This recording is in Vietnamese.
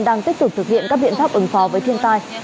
đang tiếp tục thực hiện các biện pháp ứng phó với thiên tai